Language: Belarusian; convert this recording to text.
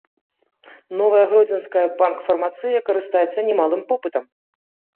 Новая гродзенская панк-фармацыя карыстаецца немалым попытам.